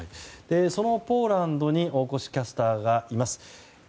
そのポーランドに大越キャスターがいます。